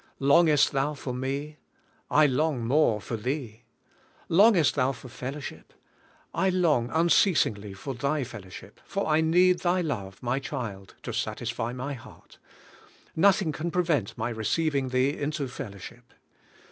Longest thou for Me? I long more for thee. Long est thou for fellowship ? I long unceasingly for thy fellowship, for I need thy love, my child, to satisfy my heart. Nothing can prevent My receiving thee into fellowship.